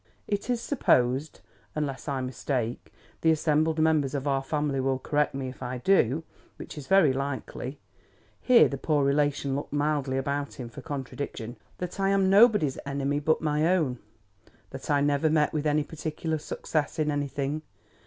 It is supposed, unless I mistake—the assembled members of our family will correct me if I do, which is very likely (here the poor relation looked mildly about him for contradiction); that I am nobody's enemy but my own. That I never met with any particular success in anything.